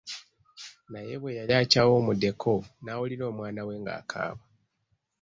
Naye bwe yali akyawumuddeko n'awulira omwana we nga akaaba.